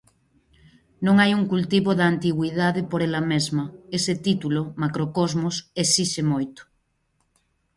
Non hai un cultivo da antigüidade por ela mesma: ese título, macrocosmos, esixe moito.